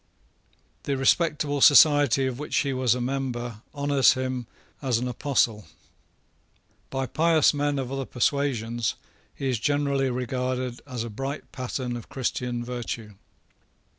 The respectable society of which he was a member honours him as an apostle. By pious men of other persuasions he is generally regarded as a bright pattern of Christian virtue.